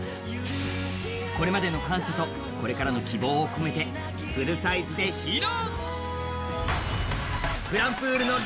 これまでの感謝と、これからの希望を込めてフルサイズで披露。